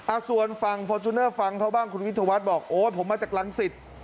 ส่วนฝั่งฟอร์จูเนอร์ฟังเขาบ้างคุณวิทยาวัฒน์บอกโอ้ยผมมาจากรังสิต